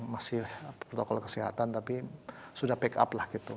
masih protokol kesehatan tapi sudah back up lah